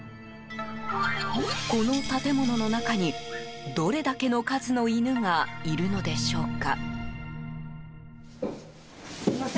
この建物の中にどれだけの数の犬がいるのでしょうか。